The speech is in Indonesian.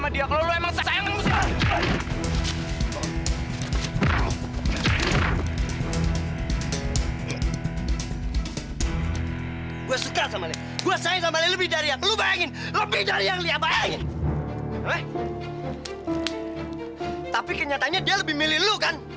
dia lebih milih lu kan